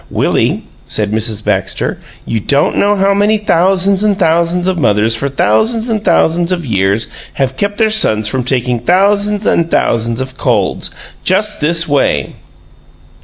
"Willie," said Mrs. Baxter, "you don't know how many thousands and thousands of mothers for thousands and thousands of years have kept their sons from taking thousands and thousands of colds just this way!"